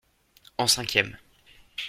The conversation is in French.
En cinquième.